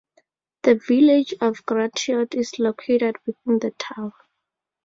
The Village of Gratiot is located within the town.